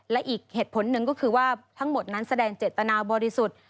และอีกเหตุผลหนึ่งก็คือว่าทั้งหมดนั้นแสดงเจตนาบริสุทธิ์